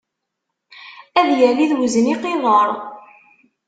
Ad yali d uzniq iḍer.